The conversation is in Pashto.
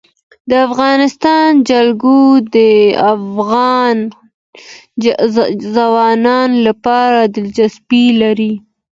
د افغانستان جلکو د افغان ځوانانو لپاره دلچسپي لري.